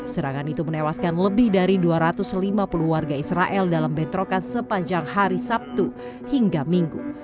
serangan itu menewaskan lebih dari dua ratus lima puluh warga israel dalam bentrokan sepanjang hari sabtu hingga minggu